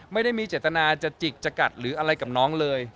ไม่ได้มีเจตนาจะจิกจะกัดหรืออะไรกับน้องเลย